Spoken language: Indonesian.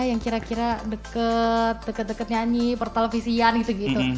yang kira kira deket deket nyanyi pertelevisian gitu gitu